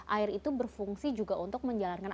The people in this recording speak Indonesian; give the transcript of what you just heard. air itu berfungsi juga untuk menjalankan